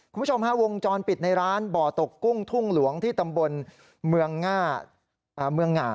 คุณผู้ชมฮะวงจรปิดในร้านบ่อตกกุ้งทุ่งหลวงที่ตำบลเมืองหง่า